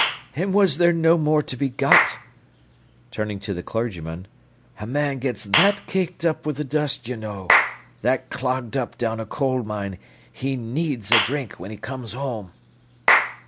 "An' was there no more to be got?" Turning to the clergyman—"A man gets that caked up wi' th' dust, you know,—that clogged up down a coal mine, he needs a drink when he comes home."